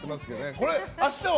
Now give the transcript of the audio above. これ、明日は？